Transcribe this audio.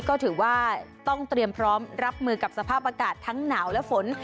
ก็ถือว่าต้องเตรียมพร้อมรับมือกับสภาพอากาศทั้งหนาวและฝน